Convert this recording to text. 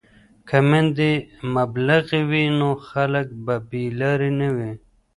که میندې مبلغې وي نو خلک به بې لارې نه وي.